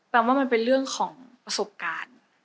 ว่ามันเป็นเรื่องของประสบการณ์